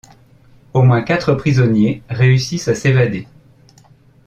Au moins, quatre prisonniers réussissent à s'évader.